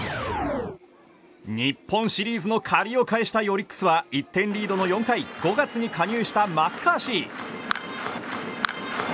日本シリーズの借りを返したいオリックスは１点リードの４回５月に加入したマッカーシー。